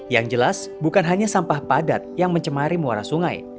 yang jelas bukan hanya sampah padat yang mencemari muara sungai